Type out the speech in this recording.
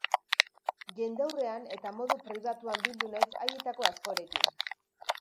Jendaurrean eta modu pribatuan bildu naiz haietako askorekin.